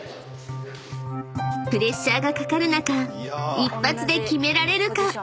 ［プレッシャーがかかる中一発で決められるか⁉］